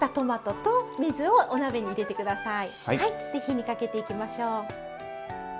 火にかけていきましょう。